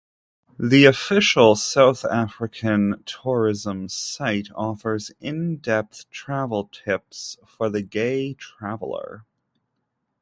The official South African Tourism site offers in-depth travel tips for the gay traveller.